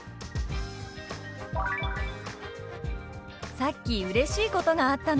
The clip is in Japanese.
「さっきうれしいことがあったの」。